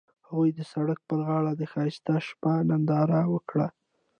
هغوی د سړک پر غاړه د ښایسته شپه ننداره وکړه.